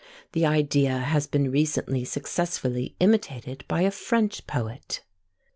The idea has been recently successfully imitated by a French poet.